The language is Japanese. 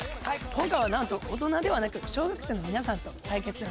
今回はなんと大人ではなく小学生の皆さんと対決でございます。